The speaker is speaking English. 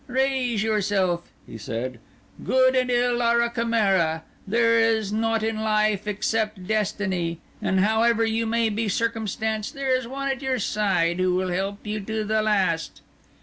Raise yourself," he said; "good and ill are a chimera; there is nought in life except destiny, and however you may be circumstanced there is one at your side who will help you to the last."